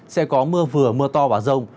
sẽ có mưa vừa mưa to và rồng